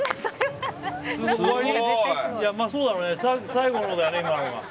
最後のだよね、今のが。